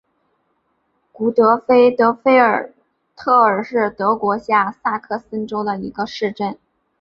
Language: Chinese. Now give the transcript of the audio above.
古德兰德菲尔特尔是德国下萨克森州的一个市镇。